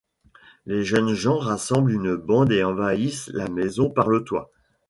Les jeunes gens rassemblent une bande et envahissent la maison par le toit.